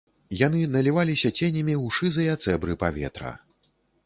Яны наліваліся ценямі ў шызыя цэбры паветра.